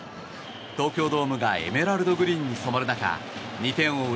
東京ドームがエメラルドグリーンに染まる中２点を追う